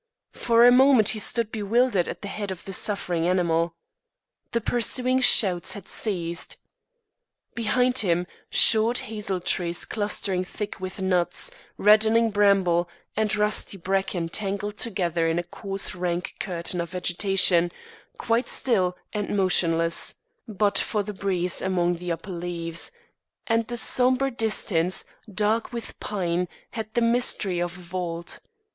For a moment he stood bewildered at the head of the suffering animal. The pursuing shouts had ceased. Behind him, short hazel trees clustering thick with nuts, reddening bramble, and rusty bracken, tangled together in a coarse rank curtain of vegetation, quite still and motionless (but for the breeze among the upper leaves), and the sombre distance, dark with pine, had the mystery of a vault.